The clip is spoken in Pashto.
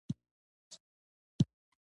مجاهد د خپل خدای رضا ته اهمیت ورکوي.